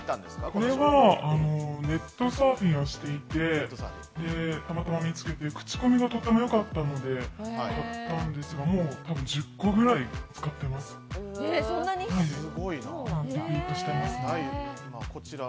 これはネットサーフィンをしていて、たまたま見つけて口コミがとてもよかったので買ったんですが、もう１０個ぐらい使ってます。